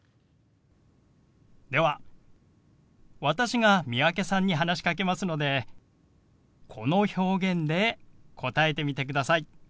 では私が三宅さんに話しかけますのでこの表現で答えてみてください。